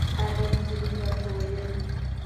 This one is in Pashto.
هغې نجلۍ راته ویل.